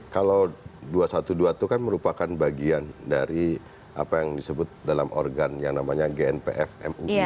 kalau dua ratus dua belas itu kan merupakan bagian dari apa yang disebut dalam organ yang namanya gnpf mui